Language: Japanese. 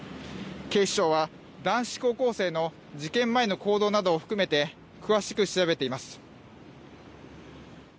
警視庁は男子高校生の事件前の行動などを含めて詳しく調べています。